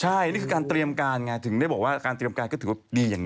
หูฟังแล้วแบบว่าได้ความรู้นะจริง